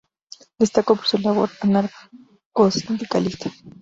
Destacó por su labor anarcosindicalista.